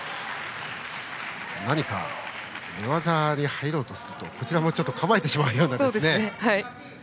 何か、寝技に入ろうとするとこちらも構えてしまいますね。